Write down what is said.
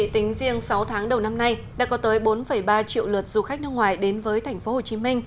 tính riêng sáu tháng đầu năm nay đã có tới bốn ba triệu lượt du khách nước ngoài đến với tp hcm